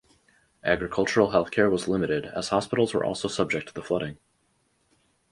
Agricultural Healthcare was limited as hospitals were also subject to the flooding.